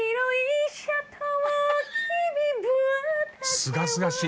すがすがしい！